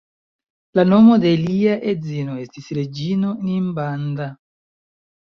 La nomo de lia edzino estis reĝino Ninbanda.